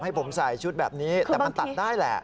ให้ผมใส่ชุดเป็นนี้แต่ตัดได้ล่ะ